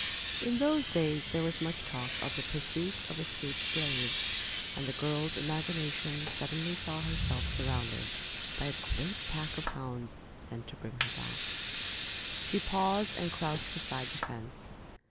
In those days there was much talk of the pursuit of escaped slaves, and the girl's imagination suddenly saw herself surrounded by a great pack of hounds sent to bring her back. She paused and crouched beside the fence.